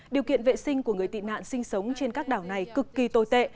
điều kiện vệ sinh của người tị nạn sinh sống trên các đảo này cực kỳ tồi tệ